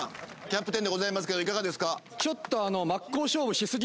キャプテンでございますけどいかがですか？